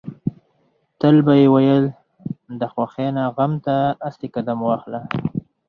تل به يې ويل د خوښۍ نه غم ته اسې قدم واخله.